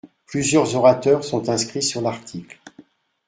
Plusieurs orateurs sont inscrits sur l’article.